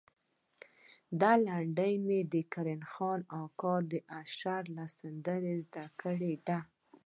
دا لنډۍ مې د کرم خان اکا د اشر له سندرې زده کړې ده.